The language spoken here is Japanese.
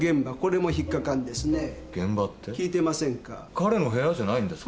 彼の部屋じゃないんですか？